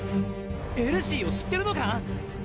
エルシーを知ってるのか？